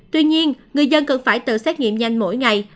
tuy nhiên người dân cần phải tự xét nghiệm nhanh mỗi ngày